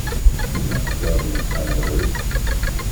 Ma foi! vous n’êtes pas malheureuse !...